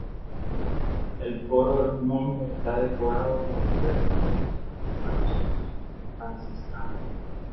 El coro de los monjes está decorado con representaciones de varios santos franciscanos.